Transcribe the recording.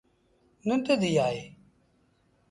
ننڊ ڌيٚ آئي۔ ا